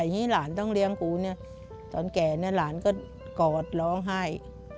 ที่หลานต้องเลี้ยงกูเนี่ยตอนแก่เนี่ยหลานก็กอดร้องไห้